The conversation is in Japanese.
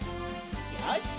よし！